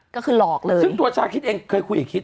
ก็คือหลอกเลยตัวจ๊ะคิดเองเคยคุยอีกคิด